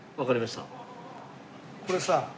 これさ。